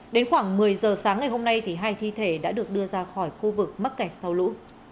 đến khoảng một mươi giờ sáng ngày hôm nay hai thi thể đã được đưa ra khỏi khu vực mắc kẹt sau lũ